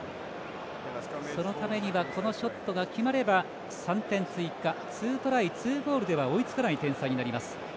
そのためにはこのショットが決まれば３点追加２トライ、２ゴールでは追いつかない点差になります。